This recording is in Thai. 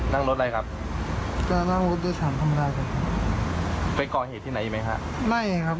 นั่งรถกลับนั่งรถอะไรครับ